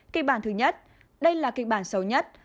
kịch bản thứ nhất đây là kịch bản xấu nhất